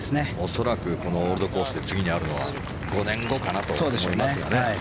恐らくこのオールドコースで次にあるのは５年後かなと思いますがね。